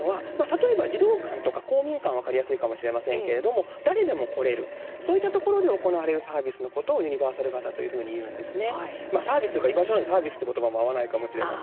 もう一方でユニバーサル型というのは例えば児童館とか公民館が分かりやすいかもしれませんけども誰でも来れるそういったところで行われるサービスのことをユニバーサル型というふうに言うんですね。